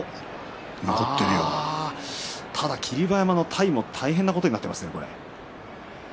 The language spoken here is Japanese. ただ霧馬山の体も大変なことになっていますね。